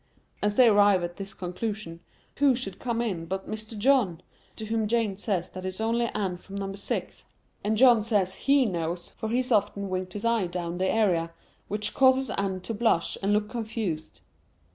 As they arrive at this conclusion, who should come in but Mr. John! to whom Jane says that its only Anne from number six; and John says he knows, for he's often winked his eye down the area, which causes Anne to blush and look confused.